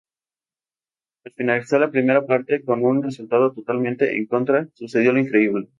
Al finalizar la primera parte, con un resultado totalmente en contra, sucedió lo increíble.